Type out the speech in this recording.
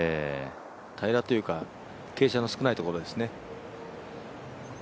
平らというか傾斜が少ないところですね。